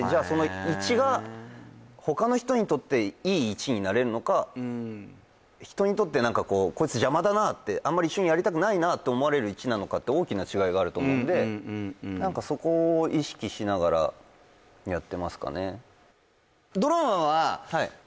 その１が他の人にとっていい１になれるのか人にとって何かこうこいつ邪魔だなってあんまり一緒にやりたくないなと思われる１なのかって大きな違いがあると思うんでうんうんうんうん何かそこを意識しながらやってますかね